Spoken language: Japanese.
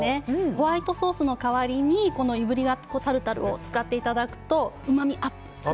ホワイトソースの代わりにいぶりがっこタルタルを使っていただくとうまみアップです。